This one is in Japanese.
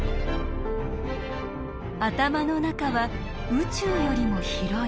頭の中は宇宙よりも広い。